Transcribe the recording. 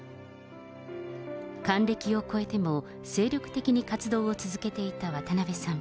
還暦を超えても、精力的に活動を続けていた渡辺さん。